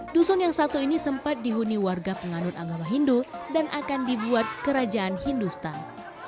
dusun yang satu ini sempat dihuni warga penganut agama hindu dan akan dibuat kerajaan hindustan